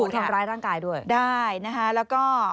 ถวงภูมิร้ายร่างกายด้วยได้นะคะและก็